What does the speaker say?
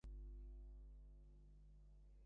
এখানেই বড় বড় ধর্মবীর জন্মগ্রহণ করিয়াছেন।